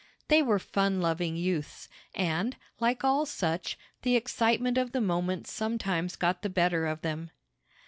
They were fun loving youths, and, like all such, the excitement of the moment sometimes got the better of them.